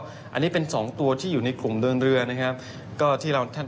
อันนี้เป็น๒ตัวที่อยู่ในกลุ่มเรื่องเรือนะครับ